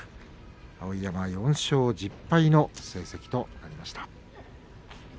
碧山は４勝１０敗の成績となりました。